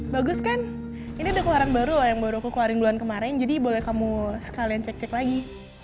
bagus kan ini udah keluaran baru loh yang baru aku keluarin bulan kemarin jadi boleh kamu sekalian cek cek lagi